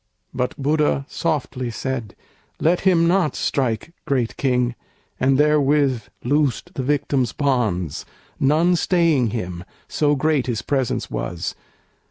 But Buddha softly said, "Let him not strike, great King!" and therewith loosed The victim's bonds, none staying him, so great His presence was.